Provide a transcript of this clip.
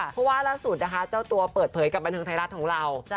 เพราะว่าล่าสุดนะคะเจ้าตัวเปิดเผยกับบันเทิงไทยรัฐของเรา